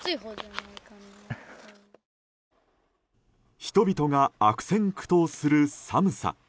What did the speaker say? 人々が悪戦苦闘する寒さ。